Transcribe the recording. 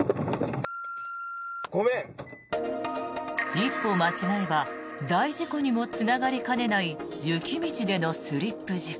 一歩間違えば大事故にもつながりかねない雪道でのスリップ事故。